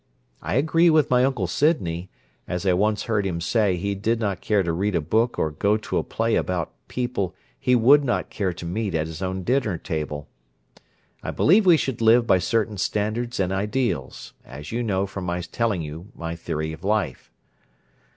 I agree with my Uncle Sydney, as I once heard him say he did not care to read a book or go to a play about people he would not care to meet at his own dinner table. I believe we should live by certain standards and ideals, as you know from my telling you my theory of life.